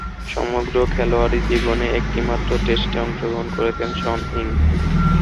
সমগ্র খেলোয়াড়ী জীবনে একটিমাত্র টেস্টে অংশগ্রহণ করেছেন শন ইয়ং।